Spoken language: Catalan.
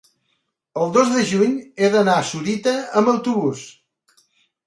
El dos de juny he d'anar a Sorita amb autobús.